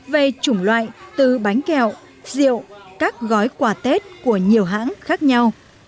về chủng loại từ bánh kẹo rượu các gói quả tết của nhiều hãng khác nhau